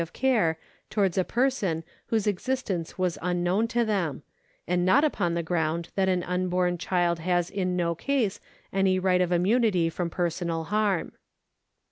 278 PERSONS [§111 of care towards a person whose existence was unknown to them, and not upon the ground that an unborn child has in no case any right of immunity from personal harm.